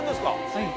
はい。